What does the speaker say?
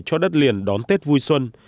cho đất liền đón tết vui xuân